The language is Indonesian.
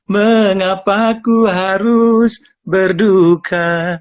mengapa ku harus berduka